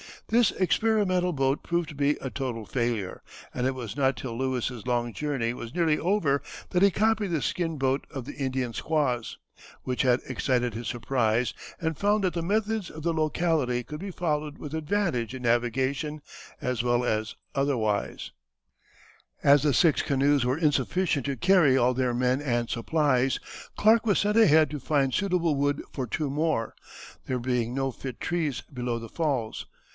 This experimental boat proved to be a total failure, and it was not till Lewis's long journey was nearly over that he copied the skin boat of the Indian squaws, which had excited his surprise, and found that the methods of the locality could be followed with advantage in navigation as well as otherwise. [Illustration: Lieutenant William Clark.] As the six canoes were insufficient to carry all their men and supplies, Clark was sent ahead to find suitable wood for two more, there being no fit trees below the falls.